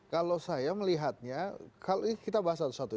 kalau saya melihatnya kalau kita bahas satu satu ya